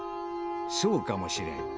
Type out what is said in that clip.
「そうかもしれん。